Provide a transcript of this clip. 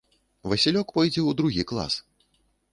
Васілёк пойдзе ў другі клас.